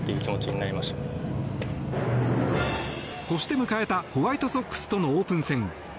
そして迎えたホワイトソックスとのオープン戦。